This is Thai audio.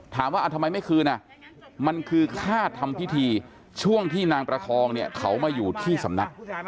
ถามว่าทำไมไม่คืนมันคือค่าทำพิธีช่วงที่นางประคองเนี่ยเขามาอยู่ที่สำนัก